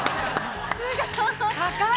◆すごーい。